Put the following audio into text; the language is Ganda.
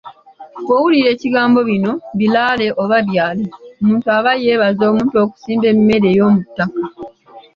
Bw’owulira ekigambo bino Biraale oba byale, omuntu aba yeebaza omuntu okusimba emmere ey’omuttaka.